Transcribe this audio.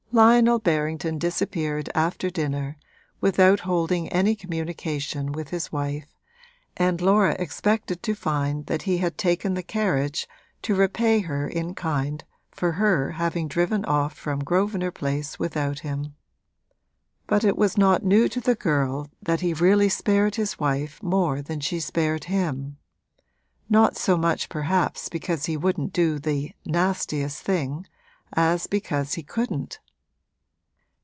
Lionel Berrington disappeared after dinner, without holding any communication with his wife, and Laura expected to find that he had taken the carriage, to repay her in kind for her having driven off from Grosvenor Place without him. But it was not new to the girl that he really spared his wife more than she spared him; not so much perhaps because he wouldn't do the 'nastiest' thing as because he couldn't.